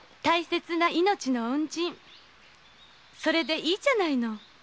大切な命の恩人それでいいじゃないの。